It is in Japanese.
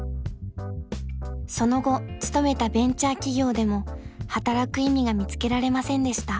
［その後勤めたベンチャー企業でも働く意味が見つけられませんでした］